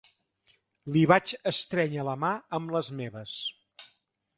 Li vaig estrènyer la mà amb les meves.